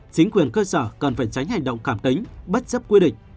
chính quyền cơ sở cần phải tránh hành động cảm tính bất chấp quy định